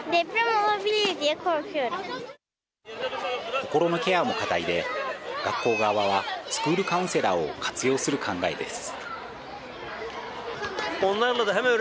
心のケアも課題で、学校側はスクールカウンセラーを活用する考えです。